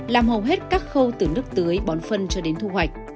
làm hầu hết các khâu từ nước tưới bón phân cho đến thu hoạch